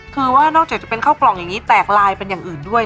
คือว่านอกจากจะเป็นข้าวกล่องอย่างนี้แตกลายเป็นอย่างอื่นด้วย